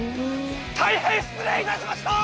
大変失礼いたしました！